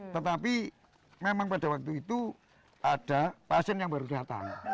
tetapi memang pada waktu itu ada pasien yang baru datang